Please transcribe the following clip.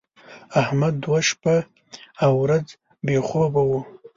احمد دوه شپه او ورځ بې خوبه و.